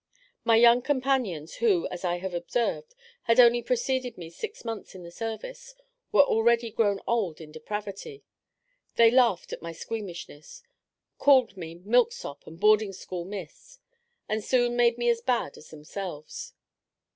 My young companions, who, as I have observed, had only preceded me six months in the service, were already grown old in depravity; they laughed at my squeamishness, called me "milksop" and "boarding school miss," and soon made me as bad as themselves.